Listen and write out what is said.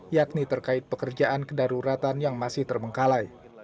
yakni terkait pekerjaan kedaruratan yang masih terbengkalai